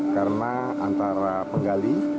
karena antara penggali